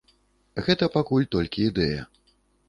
Гэта пакуль толькі ідэя.